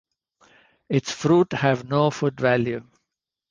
Its fruit have no food value.